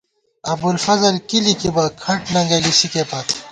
ابوالفضل کی لِکِبہ کھٹ ننگَئ لِسِکے پت